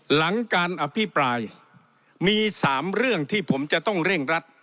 หลังการอภิปรายมี๓เรื่องที่ผมจะต้องเร่งรัด